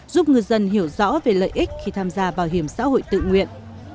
giúp ngư dân hiểu rõ về lợi ích khi tham gia bảo hiểm xã hội tự nguyện